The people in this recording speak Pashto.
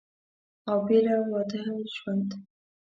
او بېله واده ژوند